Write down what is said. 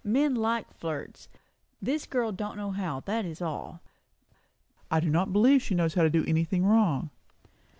Men like flirts. This girl don't know how, that is all." "I do not believe she knows how to do anything wrong."